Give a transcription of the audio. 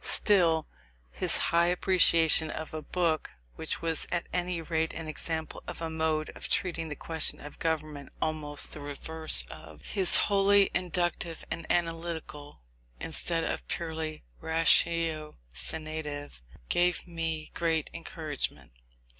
Still, his high appreciation of a book which was at any rate an example of a mode of treating the question of government almost the reverse of his wholly inductive and analytical, instead of purely ratiocinative gave me great encouragement.